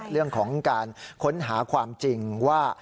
เรื่องของการค้นหาความจริงว่า